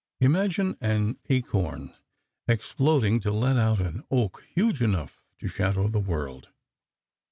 Imagine an acorn exploding to let out an oak huge enough to shadow the world